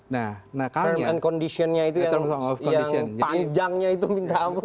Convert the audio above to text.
term and condition nya itu yang panjangnya itu minta ampun